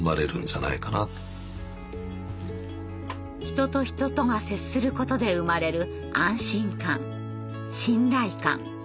人と人とが接することで生まれる安心感信頼感。